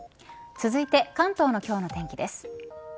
続いて関東の今日の天気です。